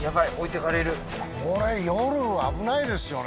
これ夜危ないですよね